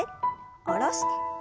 下ろして。